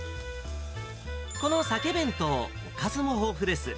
この鮭弁当、おかずも豊富です。